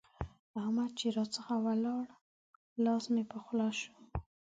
احمد چې راڅخه ولاړ؛ لاس مې په خوله شو.